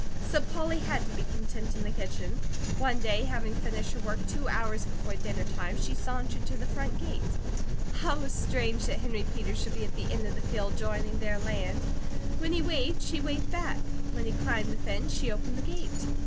So Polly had to be content in the kitchen. One day, having finished her work two hours before dinnertime, she sauntered to the front gate. How strange that Henry Peters should be at the end of the field joining their land. When he waved, she waved back. When he climbed the fence she opened the gate.